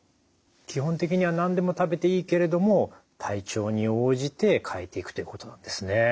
基本的には何でも食べていいけれども体調に応じて変えていくということなんですね。